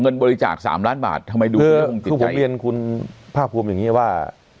เงินบริจาคสามล้านบาททำไมดูผมเรียนคุณภาคภูมิอย่างนี้ว่า